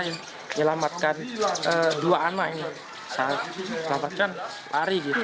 ya allah selamatkan dua anak ini selamatkan hari